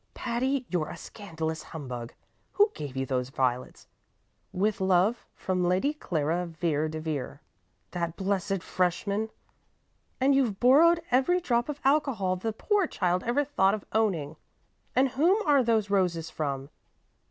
"Patty, you're a scandalous humbug! Who gave you those violets? 'With love, from Lady Clara Vere de Vere' that blessed freshman! and you've borrowed every drop of alcohol the poor child ever thought of owning. And whom are those roses from?